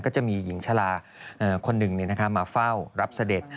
จะมีหญิงชะลาคนหนึ่งมาเฝ้ารับเสด็จ